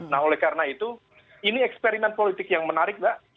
nah oleh karena itu ini eksperimen politik yang menarik mbak